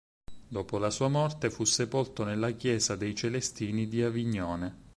Dopo la sua morte fu sepolto nella chiesa dei celestini di Avignone.